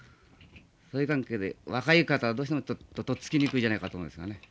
そういう関係で若い方はどうしても取っつきにくいんじゃないかと思うんですよね。